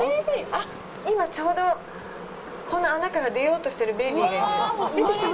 あっ、今ちょうどこの穴から出ようとしてるベビーがいる。